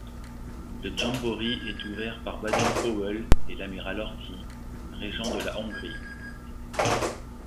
Le jamboree est ouvert par Baden Powell et l'amiral Horthy, régent de la Hongrie.